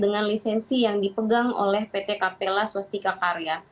dengan lisensi yang dipegang oleh pt kapela swastika karya